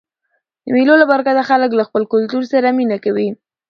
د مېلو له برکته خلک له خپل کلتور سره مینه کوي.